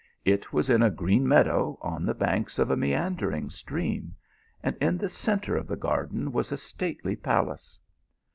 It was in a green meadow on the banks of a meandering stream, and in the centre of the garden was a stately palace.